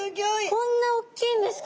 こんな大きいんですか。